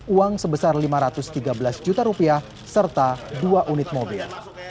uang sebesar lima ratus tiga belas juta rupiah serta dua unit mobil